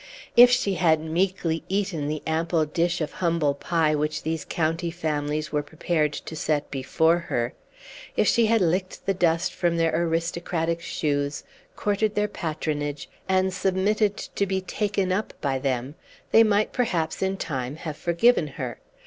If she had meekly eaten the ample dish of humble pie which these county families were prepared to set before her if she had licked the dust from their aristocratic shoes, courted their patronage, and submitted to be "taken up" by them they might, perhaps, in time, have forgiven her.